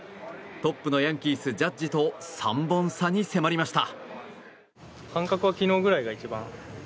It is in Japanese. トップのヤンキース、ジャッジと３本差に迫りました。